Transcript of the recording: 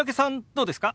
どうですか？